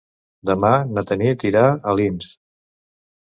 Demà na Tanit irà a Alins.